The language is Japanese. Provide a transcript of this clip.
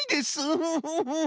ウフフフ。